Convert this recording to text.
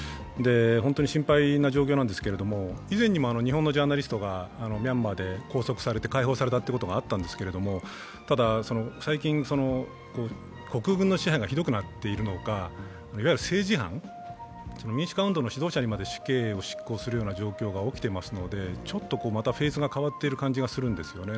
本当に心配な状況なんですけれども、以前にも日本のジャーナリストがミャンマーで拘束されて解放されたということがあったんですけれどもただ最近、国軍の支配がひどくなっているのかいわゆる政治犯、民主化運動の主導者にまで死刑を執行するような状況が起きてますのでちょっとまたフェーズが変わってる感じがするんですよね。